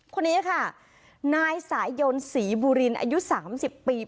คนนี้ค่ะนายสายยนศรีบุรินอายุ๓๐ปี